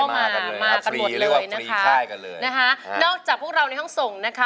มากันหมดเลยนะคะนะคะนอกจากพวกเราในห้องส่งนะคะ